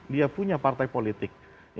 dia punya partai politik